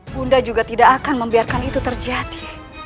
bunda juga tidak akan membiarkan itu terjadi